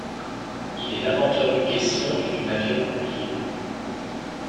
Il est l'inventeur du caisson et du navire roulier.